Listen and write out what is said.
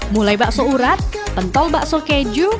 mulai bakso urat pentol bakso keju